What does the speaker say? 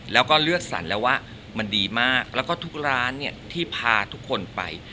แล้วก็เลือกสรรแล้วว่ามันดีมากแล้วก็ทุกร้านเนี่ยที่พาทุกคนไป